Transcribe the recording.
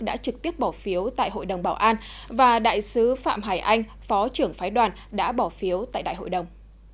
đã trực tiếp bỏ phiếu tại hội đồng bảo an và đại sứ phạm hải anh phó trưởng phái đoàn đã bỏ phiếu tại đại hội đồng